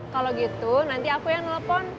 kalau gitu nanti aku yang nelfon